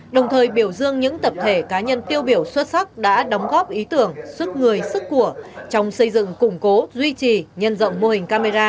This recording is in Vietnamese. đồng thời biểu dương những tập thể cá nhân tiêu biểu xuất sắc đã đóng góp ý tưởng sức người sức của trong xây dựng củng cố duy trì nhân rộng mô hình camera